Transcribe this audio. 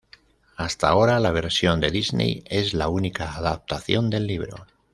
Hasta ahora la versión de Disney es la única adaptación del libro.